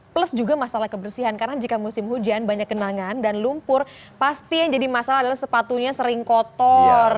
plus juga masalah kebersihan karena jika musim hujan banyak kenangan dan lumpur pasti yang jadi masalah adalah sepatunya sering kotor